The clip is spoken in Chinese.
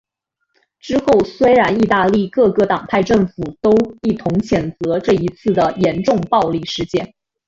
之后虽然意大利各个党派政府都一同谴责这次的严重暴力事件。